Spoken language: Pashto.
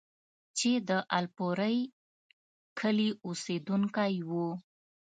چې د الپورۍ کلي اوسيدونکی وو،